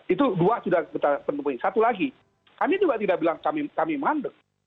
itu dua sudah kita temukan satu lagi kami juga tidak bilang kami mandek